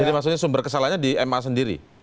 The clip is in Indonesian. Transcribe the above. jadi maksudnya sumber kesalahannya di ma sendiri